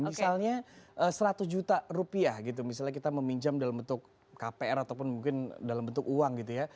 misalnya seratus juta rupiah gitu misalnya kita meminjam dalam bentuk kpr ataupun mungkin dalam bentuk uang gitu ya